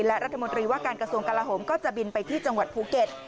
และรัฐมนตรีว่าการกระทรวงกลาโหมก็จะบินไปที่จังหวัดภูเก็ต